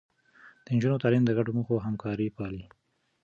د نجونو تعليم د ګډو موخو همکاري پالي.